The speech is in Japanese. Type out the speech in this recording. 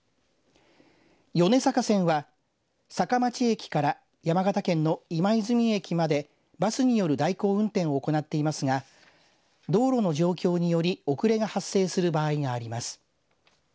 米坂線は坂町駅から、山形県の今泉駅まで、バスによる代行運転を行っていますが道路の状況により遅れが発生する場合があります。